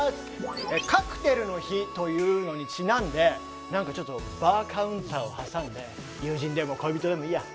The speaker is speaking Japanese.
「カクテルの日」というのにちなんでなんかちょっとバーカウンターを挟んで友人でも恋人でもいいや。